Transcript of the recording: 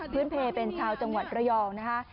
เพื่อนเพย์เป็นชาวจังหวัดระยองนะคะ